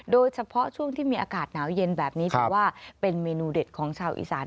โดยเฉพาะช่วงที่มีอากาศหนาวเย็นแบบนี้ถือว่าเป็นเมนูเด็ดของชาวอีสาน